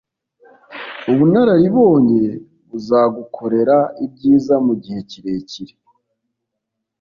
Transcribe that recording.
Ubunararibonye buzagukorera ibyiza mugihe kirekire